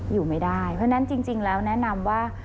อยู่ไม่ได้เพราะฉะนั้นจริงแล้วแนะนำว่า